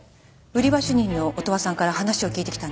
売り場主任の乙羽さんから話を聞いてきたんですが。